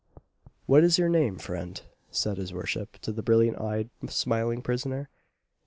"What is your name, friend?" said his worship, to the brilliant eyed, smiling prisoner.